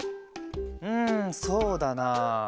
うんそうだなあ。